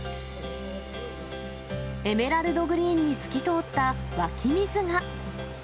エメラルドグリーンに透き通った湧き水が。